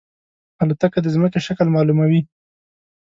الوتکه د زمکې شکل معلوموي.